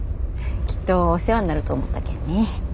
きっとお世話になると思ったけんね。